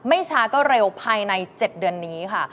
ช้าก็เร็วภายใน๗เดือนนี้ค่ะ